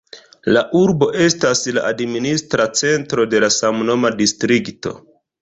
La urbo estas la administra centro de samnoma distrikto.